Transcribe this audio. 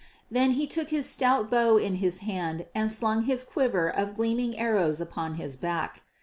Then he took his stout bow in his hand and slung his quiver of gleaming arrows upon his back.